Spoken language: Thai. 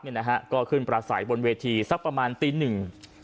ก็จะขึ้นปราศัยบนเวทีประมาณตีหนึ่ง